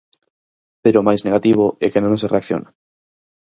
Pero o máis negativo é que non se reacciona.